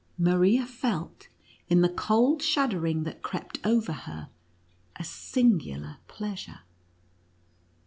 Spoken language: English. Maria felt, in the cold shuddering: that crept over her, a singular pleasure.